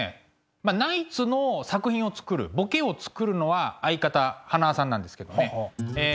ナイツの作品をつくるボケをつくるのは相方塙さんなんですけどねえ